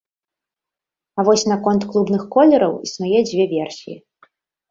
А вось наконт клубных колераў існуе дзве версіі.